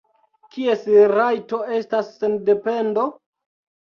Kies rajto estas sendependo?